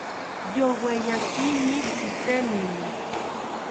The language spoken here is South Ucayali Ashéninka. Yoweyakini tzitenini